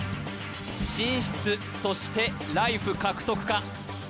進出そしてライフ獲得か？